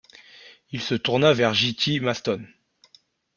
Il se tourna vers J.-T. Maston.